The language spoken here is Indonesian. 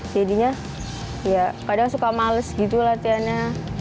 jadinya ya kadang suka males gitu latihannya